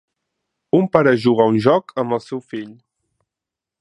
Un pare juga a un joc amb el seu fill.